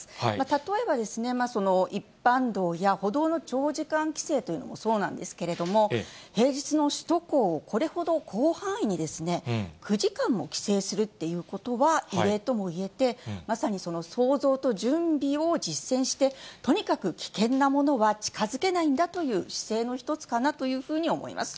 例えば、一般道や歩道の長時間規制というのもそうなんですけれども、平日の首都高をこれほど広範囲に、９時間も規制するというのは異例ともいえて、まさにその想像と準備を実践して、とにかく危険なものは近づけないんだという姿勢の一つかなというふうに思います。